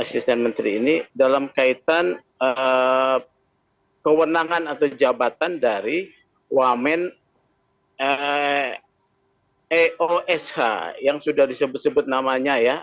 asisten menteri ini dalam kaitan kewenangan atau jabatan dari wamen eosh yang sudah disebut sebut namanya ya